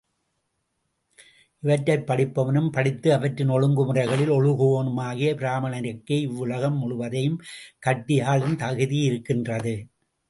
இவற்றைப் படிப்பவனும், படித்து அவற்றின் ஒழுங்கு முறைகளில் ஒழுகுவோனுமாகிய பிராமணனுக்கே இவ்வுலகம் முழுவதையும் கட்டியாளும் தகுதியிருக்கின்றது என்றும் கூறப்பெற்றுள்ளது.